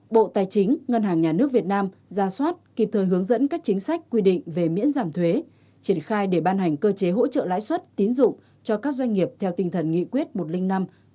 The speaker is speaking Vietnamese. bảy bộ tài chính ngân hàng nhà nước việt nam ra soát kịp thời hướng dẫn các chính sách quy định về miễn giảm thuế triển khai để ban hành cơ chế hỗ trợ lãi suất tín dụng cho các doanh nghiệp theo tinh thần nghị quyết một trăm linh năm nqcp ngày chín tháng chín năm hai nghìn hai mươi một của chính phủ